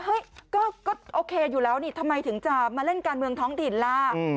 เฮ้ยก็โอเคอยู่แล้วนี่ทำไมถึงจะมาเล่นการเมืองท้องถิ่นล่ะ